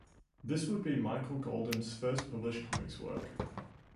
This would be Michael Golden's first published comics work.